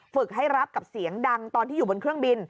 ฝึกให้รับกับเสียงดังตอนที่อยู่บนเครื่องบิน